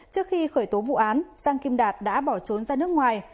trước khi khởi tố vụ án sang kim đạt đã bỏ trốn ra nước ngoài